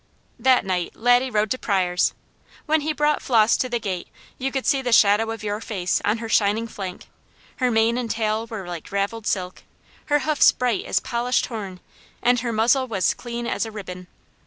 That night Laddie rode to Pryors'. When he brought Flos to the gate you could see the shadow of your face on her shining flank; her mane and tail were like ravelled silk, her hoofs bright as polished horn, and her muzzle was clean as a ribbon.